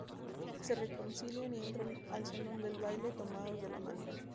Se reconcilian y entran al salón del baile tomados de la mano.